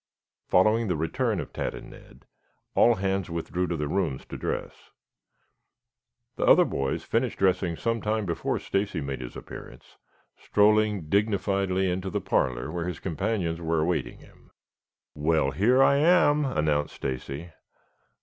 Following the return of Tad and Ned, all hands withdrew to their rooms to dress. The other boys finished dressing some time before Stacy made his appearance, strolling dignifiedly into the parlor where his companions were awaiting him. "Well, here I am," announced Stacy.